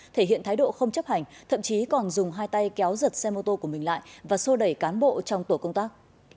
thể hiện thái độ không chấp hành thậm chí còn dùng hai tay kéo giật xe mô tô của mình lại và sô đẩy cán bộ trong tổ công tác